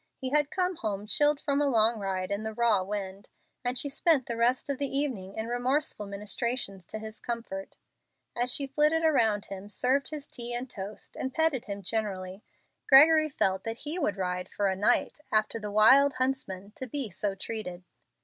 He had come home chilled from a long ride in the raw wind, and she spent the rest of the evening in remorseful ministrations to his comfort. As she flitted around him, served his tea and toast, and petted him generally, Gregory felt that he would ride for a night after the "Wild Huntsman" to be so treated.